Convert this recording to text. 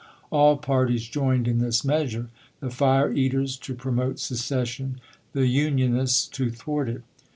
All parties joined in this measure : the fire eaters to promote secession, the Unionists to thwart it.